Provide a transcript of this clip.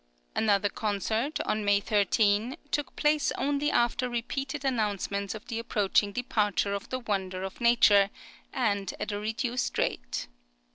Another concert, on May 13, took place only after repeated announcements of the approaching departure of the Wonder of Nature, and at a reduced rate.